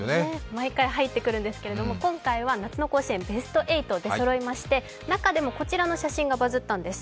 毎回入ってくるんですけれども、今回は夏の甲子園、ベスト８が出そろったんですが中でもこちらの写真がバズったんです。